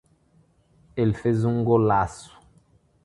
ele fez um golaço